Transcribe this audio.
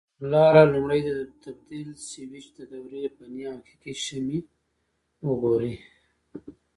کړنلاره: لومړی د تبدیل سویچ د دورې فني او حقیقي شمې وګورئ.